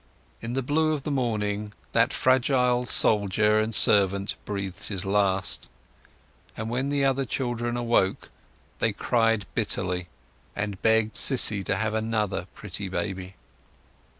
In the blue of the morning that fragile soldier and servant breathed his last, and when the other children awoke they cried bitterly, and begged Sissy to have another pretty baby.